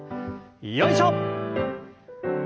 よいしょ！